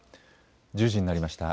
１０時になりました。